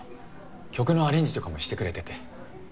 曲のアレンジとかもしてくれてて。